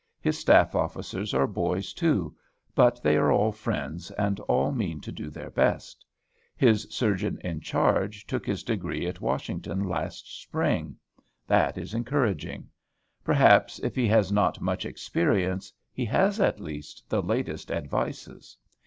His staff officers are boys too; but they are all friends, and all mean to do their best. His Surgeon in Charge took his degree at Washington last spring; that is encouraging. Perhaps, if he has not much experience, he has, at least, the latest advices.